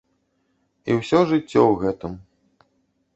І ўсё жыццё ў гэтым.